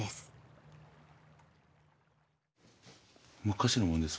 昔のものです。